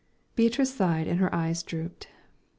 Beatrice sighed and her eyes drooped.